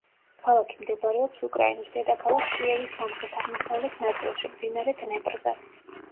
ქალაქი მდებარეობს უკრაინის დედაქალაქ კიევის სამხრეთაღმოსავლეთ ნაწილში, მდინარე დნეპრზე.